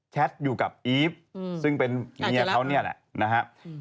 แท็ตอยู่กับอีฟซึ่งเป็นเมียเขาเนี่ยแหละนะครับ